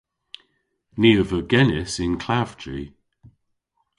Ni a veu genys yn klavji.